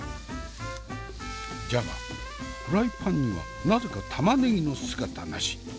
じゃがフライパンにはなぜか玉ねぎの姿なし。